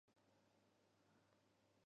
Auzitegi Gorenaren epailea izan zen.